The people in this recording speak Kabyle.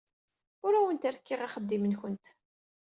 Ur awent-rekkiɣ axeddim-nwent.